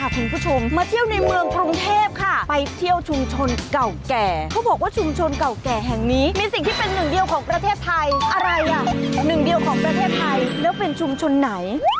คุณผู้ชมถ้าจะมาเที่ยวยานเมืองเก่าของปรุงเทพน่ะ